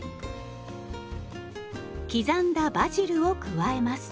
刻んだバジルを加えます。